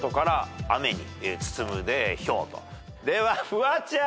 ではフワちゃん。